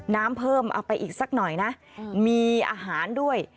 น้ำเพิ่มเอาไปอีกสักหน่อยนะมีอาหารด้วย